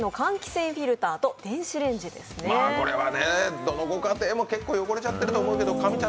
これはね、どのご家庭も結構汚れちゃってると思うけど。